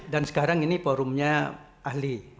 dan sekarang ini forumnya ahli